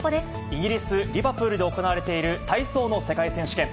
イギリス・リバプールで行われている体操の世界選手権。